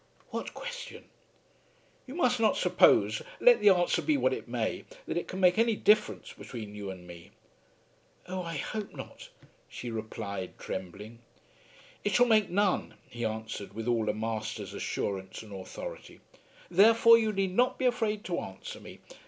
"What question?" "You must not suppose, let the answer be what it may, that it can make any difference between you and me." "Oh, I hope not," she replied trembling. "It shall make none," he answered with all a master's assurance and authority. "Therefore you need not be afraid to answer me.